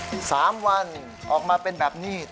จะทำให้การหมักอาจจะไม่สมบวนได้ง่ายต้องใส่ข้าว